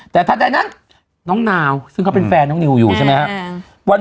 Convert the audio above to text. แต่ถ้าใดนั้นน้องนาวซึ่งเขาเป็นแฟนน้องนิวอยู่ใช่ไหมครับ